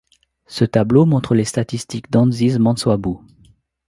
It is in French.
Ce tableau montre les statistiques d'Anziz Mansoibou.